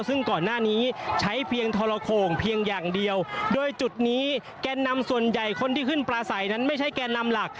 ซึ่งก่อนหน้านี้ใช้เพียงทรโข่งเพียงอย่างเดียวโดยจุดนี้แกนนำส่วนใหญ่คนที่ขึ้นปลาใสนั้นไม่ใช่แกนนำหลัก